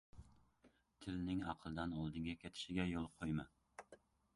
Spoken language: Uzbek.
Tilning aqldan oldinga ketishiga yo‘l qo‘yma.